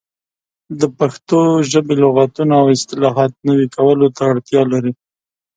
د پښتو ژبې لغتونه او اصطلاحات نوي کولو ته اړتیا لري.